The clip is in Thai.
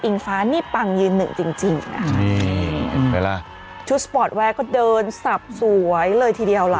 ฟ้านี่ปังยืนหนึ่งจริงจริงนะคะชุดสปอร์ตแวร์ก็เดินสับสวยเลยทีเดียวล่ะ